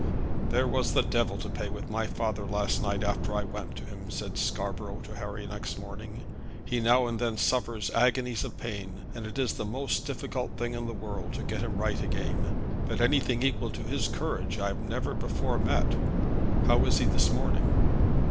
"There was the devil to pay with my father last night after I went to him," said Scarborough to Harry next morning. "He now and then suffers agonies of pain, and it is the most difficult thing in the world to get him right again. But anything equal to his courage I never before met." "How is he this morning?"